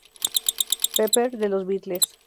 Pepper" de Los Beatles.